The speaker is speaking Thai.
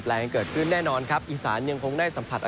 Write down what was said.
ให้ผู้ใส่เมื่อคลอด